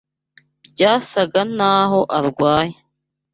Byasaga naho arwaye